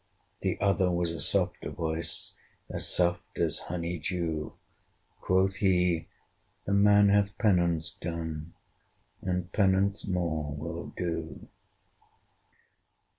The other was a softer voice, As soft as honey dew: Quoth he, "The man hath penance done, And penance more will do."